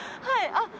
はい。